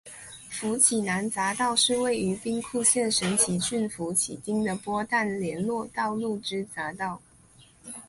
福崎南匝道是位于兵库县神崎郡福崎町的播但连络道路之匝道。